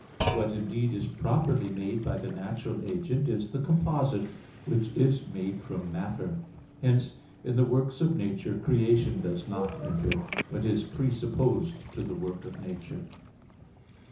What, indeed, is properly made by the natural agent is the "composite," which is made from matter. Hence in the works of nature creation does not enter, but is presupposed to the work of nature.